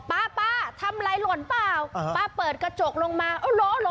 ป๊าป๊าทำไรหล่นเปล่าป๊าเปิดกระจกลงมาเอาเหรอเหรอ